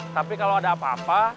tapi kalau ada apa apa